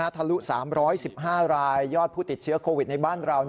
ทะลุสามร้อยสิบห้ารายยอดผู้ติดเชื้อโควิดในบ้านเรา